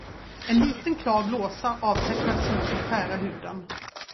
En liten, klar blåsa avtecknades mot den skära huden.